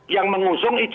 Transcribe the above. yang mengusung ideologi